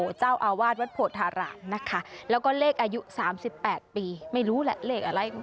เจ้าอาวาสวัดโพธารามนะคะแล้วก็เลขอายุ๓๘ปีไม่รู้แหละเลขอะไร